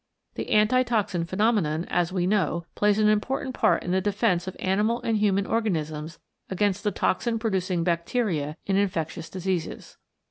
This Antitoxin phenomenon, as we know, plays an important part in the defence of animal and human organisms against the toxin producing bacteria in infectious diseases.